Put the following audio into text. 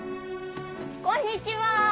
こんにちは。